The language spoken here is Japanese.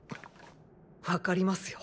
わかりますよ